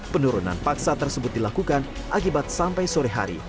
penurunan paksa tersebut dilakukan akibat sampai sore hari